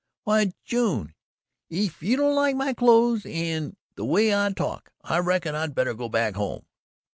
"Why June!" "Ef you don't like my clothes an' the way I talk, I reckon I'd better go back home."